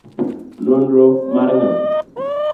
Nonro mar nga'?